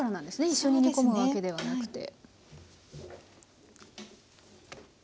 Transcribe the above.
一緒に煮込むわけではなくて。